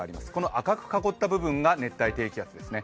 赤く囲った部分が熱帯低気圧ですね。